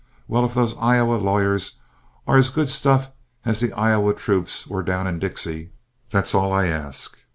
Well, if the Iowa lawyers are as good stuff as the Iowa troops were down in Dixie, that's all I ask.